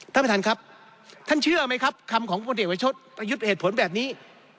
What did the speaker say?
ท่านประธานครับท่านเชื่อไหมครับคำของพลเอกประชดประยุทธ์เหตุผลแบบนี้